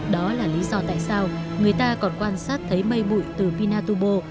đó là lý do tại sao người ta còn quan sát thấy mây bụi từ pinatubo